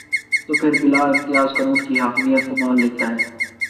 تو پھر بلا امتیاز قانون کی حاکمیت کو مان لیتا ہے۔